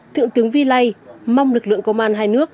thượng tướng vi lây mong lực lượng công an hai nước